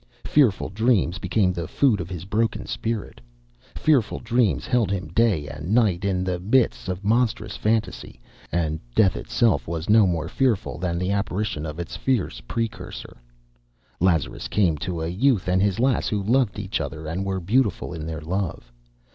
Fearful dreams became the food of his broken spirit. Fearful dreams held him day and night in the mists of monstrous fantasy, and death itself was no more fearful than the apparition of its fierce precursor. Lazarus came to a youth and his lass who loved each other and were beautiful in their love.